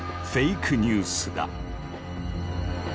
フェイクニュースだ。